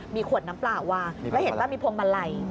มีขวดน้ำเปล่าวางแล้วเห็นป่ะมีพวงมาลัย